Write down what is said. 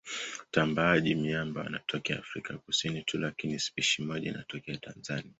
Watambaaji-miamba wanatokea Afrika ya Kusini tu lakini spishi moja inatokea Tanzania.